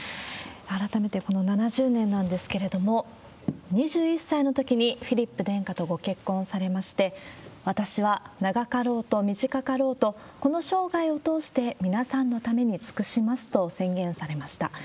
改めてこの７０年なんですけれども、２１歳のときにフィリップ殿下とご結婚されまして、私は長かろうと短かろうと、この生涯を通して皆さんのために尽くしますと宣言されました。